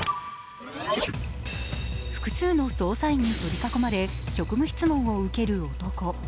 複数の捜査員に取り囲まれ職務質問を受ける男。